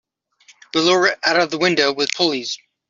We'll lower it out of the window with pulleys.